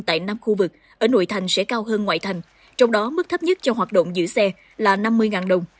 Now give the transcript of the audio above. tại năm khu vực ở nội thành sẽ cao hơn ngoại thành trong đó mức thấp nhất cho hoạt động giữ xe là năm mươi đồng